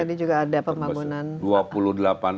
tadi juga ada pembangunan